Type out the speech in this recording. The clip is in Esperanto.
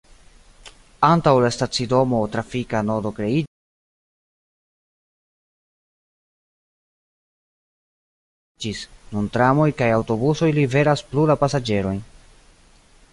Antaŭ la stacidomo trafika nodo kreiĝis, nun tramoj kaj aŭtobusoj liveras plu la pasaĝerojn.